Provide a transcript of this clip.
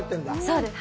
そうです。